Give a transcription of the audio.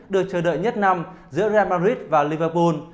được chờ đợi nhất năm giữa real madrid và liverpol